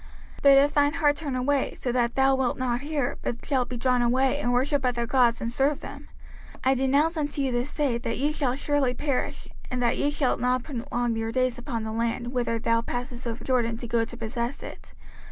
05:030:017 But if thine heart turn away, so that thou wilt not hear, but shalt be drawn away, and worship other gods, and serve them; 05:030:018 I denounce unto you this day, that ye shall surely perish, and that ye shall not prolong your days upon the land, whither thou passest over Jordan to go to possess it.